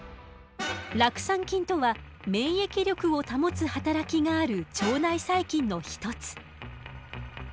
酪酸菌とは免疫力を保つ働きがある腸内細菌の一つ。